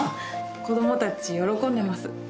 子供たち喜んでます。